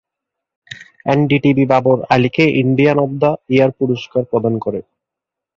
NDTV Babar আলীকে Indian of the year পুরস্কার প্রদান করে।